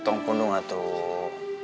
tunggu dulu tuh